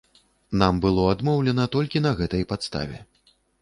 Нам было адмоўлена толькі на гэтай падставе.